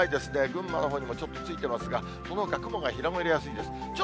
群馬のほうにもちょっとついていますが、そのほか、雲が広がりやすいです。